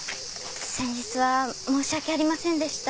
先日は申し訳ありませんでした。